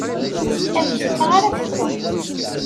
Tameddit-a ara tefru.